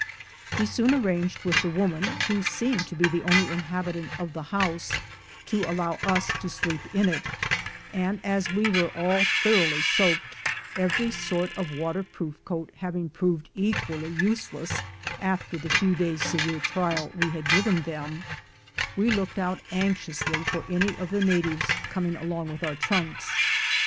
We soon arranged with the woman, who seemed to be the only inhabitant of the house, to allow us to sleep in it; and as we were all thoroughly soaked, every sort of waterproof coat hav ing proved equally useless after the few days' severe trial we had given them, we looked out anxiously for any of the natives coming along with our trunks.